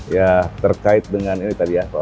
ya terkait dengan ini tadi ya